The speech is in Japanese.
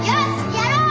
やろう！